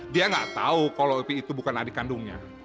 dia gak tahu kalau op itu bukan adik kandungnya